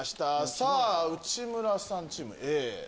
さぁ内村さんチームＡ？